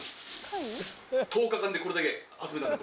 １０日間でこれだけ集めたんだ。